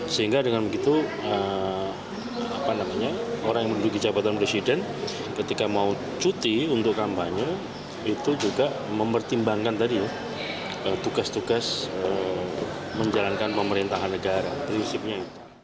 sehingga dengan begitu orang yang menduduki jabatan presiden ketika mau cuti untuk kampanye itu juga mempertimbangkan tadi tugas tugas menjalankan pemerintahan negara prinsipnya itu